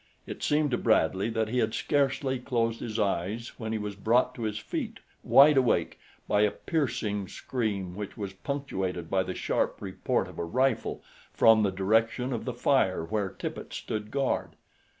It seemed to Bradley that he had scarcely closed his eyes when he was brought to his feet, wide awake, by a piercing scream which was punctuated by the sharp report of a rifle from the direction of the fire where Tippet stood guard.